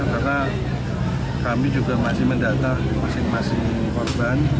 karena kami juga masih mendata masing masing korban